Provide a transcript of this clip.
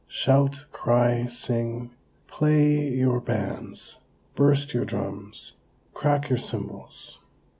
Shout! Cry! Sing! Play, you bands! Burst your drums! Crack your cymbals!"